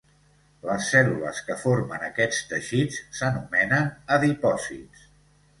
Les cèl·lules que formen aquests teixits s'anomenen adipòcits.